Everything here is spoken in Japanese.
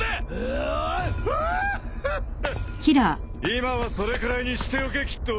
今はそれくらいにしておけキッド。